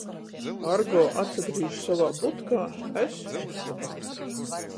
Argo atsagrīž sovā budkā, es ustobā.